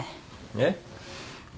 えっ？